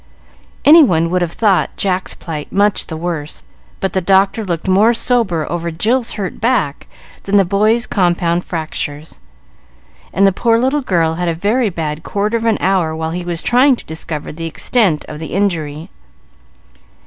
Any one would have thought Jack's plight much the worse, but the doctor looked more sober over Jill's hurt back than the boy's compound fractures; and the poor little girl had a very bad quarter of an hour while he was trying to discover the extent of the injury.